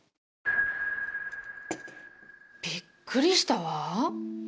びっくりしたわ。